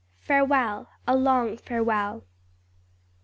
"Farewell, a long farewell."